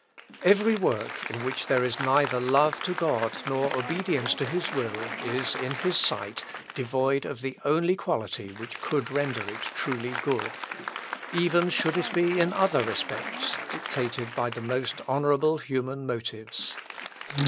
Every work in which there is neither love to God nor obedience to his will, is, in his sight, devoid of the only quality which could render it truly good, even should it be in other respects dictated by the most honourable human motives.